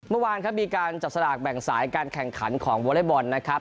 เมื่อวานครับมีการจับสลากแบ่งสายการแข่งขันของวอเล็กบอลนะครับ